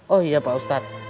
oh iya pak ustadz